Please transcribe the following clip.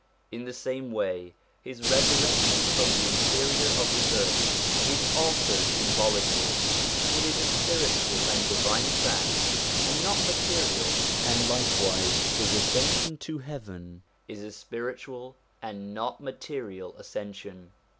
In the same way, his resurrection from the interior of the earth is also symbolical; it is a spiritual and divine fact, and not material ; and like wise his ascension to heaven is a spiritual and not material ascension.